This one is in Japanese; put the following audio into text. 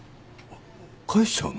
返しちゃうの？